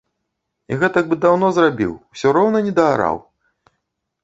Гэтак бы даўно зрабіў, усё роўна не даараў?